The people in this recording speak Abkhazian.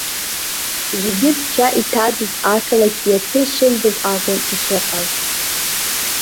Зегьы зцәа иҭаӡоз ақалақь иацы ишылбаз акәын ишыҟаз.